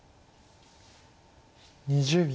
２０秒。